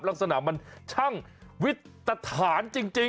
ลักษณะมันช่างวิตรฐานจริง